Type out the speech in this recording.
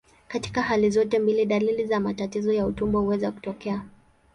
Katika hali zote mbili, dalili za matatizo ya utumbo huweza kutokea.